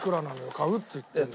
買うって言ってるのに。